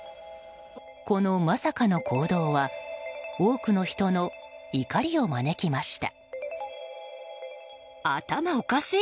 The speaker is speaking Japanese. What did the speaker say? このまさかの行動は多くの人の怒りを招きました。